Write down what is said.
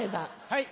はい。